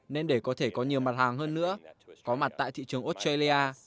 nên để có thể có nhiều mặt hàng hơn nữa có mặt tại thị trường australia